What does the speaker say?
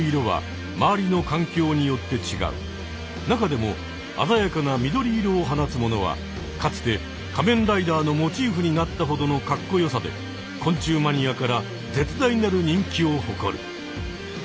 中でもあざやかな緑色を放つものはかつて仮面ライダーのモチーフになったほどのかっこよさで昆虫マニアから絶大なる人気をほこる。